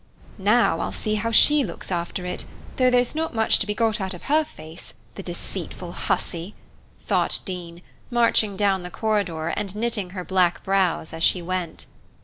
Now I'll see how she looks after it; though there's not much to be got out of her face, the deceitful hussy, thought Dean, marching down the corridor and knitting her black brows as she went.